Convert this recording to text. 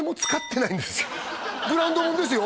ブランドもんですよ